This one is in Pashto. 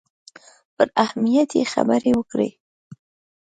پر اهمیت یې خبرې وکړې.